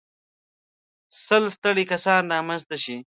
سل ستړي کسان را مخته شئ.